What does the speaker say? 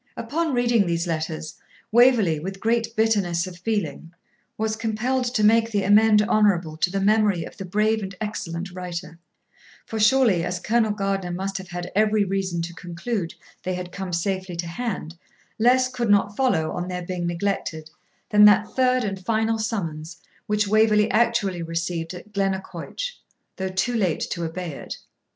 Upon reading these letters Waverley, with great bitterness of feeling, was compelled to make the amende honorable to the memory of the brave and excellent writer; for surely, as Colonel Gardiner must have had every reason to conclude they had come safely to hand, less could not follow, on their being neglected, than that third and final summons, which Waverley actually received at Glennaquoich, though too late to obey it.